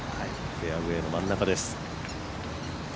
フェアウエーの真ん中です。